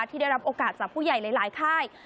ที่ได้รับโอกาสจากผู้ใหญ่หลายค่าย